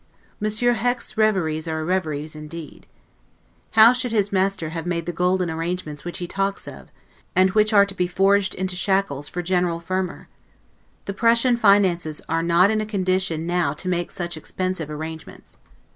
Monsieur Hecht's reveries are reveries indeed. How should his Master have made the GOLDEN ARRANGEMENTS which he talks of, and which are to be forged into shackles for General Fermor? The Prussian finances are not in a condition now to make such expensive arrangements.